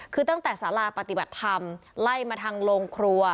คือตั้งแต่สาราปฏิบัติธรรมไล่มาทางโรงครัว